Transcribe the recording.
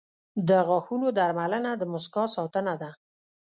• د غاښونو درملنه د مسکا ساتنه ده.